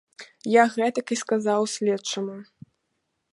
Я гэтак і сказаў следчаму.